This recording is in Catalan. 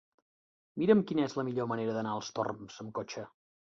Mira'm quina és la millor manera d'anar als Torms amb cotxe.